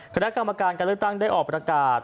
คณะกรรมการการเลือกตั้งได้ออกประกาศ